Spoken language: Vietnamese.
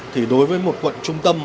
thì đối với một quận trung tâm